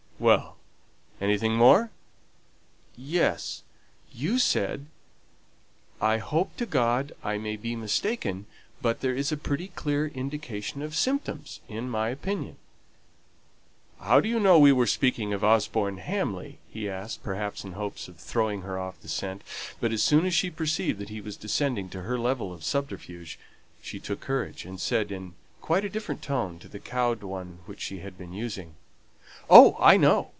'" "Well. Anything more?" "Yes; you said, 'I hope to God I may be mistaken; but there is a pretty clear indication of symptoms, in my opinion.'" "How do you know we were speaking of Osborne Hamley?" he asked; perhaps in hopes of throwing her off the scent. But as soon as she perceived that he was descending to her level of subterfuge, she took courage, and said in quite a different tone to the cowed one which she had been using: "Oh! I know.